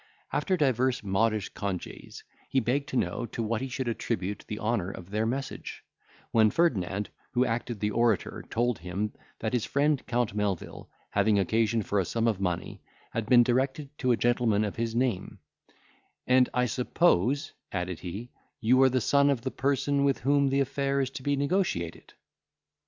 After divers modish congees, he begged to know to what he should attribute the honour of their message; when Ferdinand, who acted the orator, told him, that his friend Count Melvil, having occasion for a sum of money, had been directed to a gentleman of his name, "and, I suppose," added he, "you are the son of the person with whom the affair is to be negotiated."